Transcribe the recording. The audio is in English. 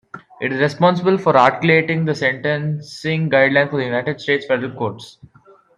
It is responsible for articulating the sentencing guidelines for the United States federal courts.